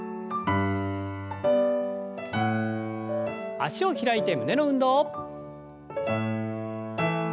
脚を開いて胸の運動。